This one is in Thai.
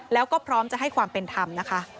แล้วก็พร้อมจะให้ความเป็นธรรมนะคะ